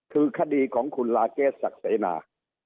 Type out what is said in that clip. คือคดีของคุณลาเกสศักดิ์เสนา